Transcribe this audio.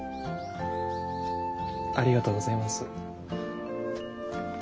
ありがとうございます。